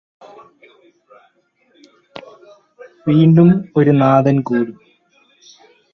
വീണ്ടും ഒരനാഥന് കൂടി